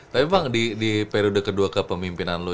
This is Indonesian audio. tapi bang di periode kedua kepemimpinan lo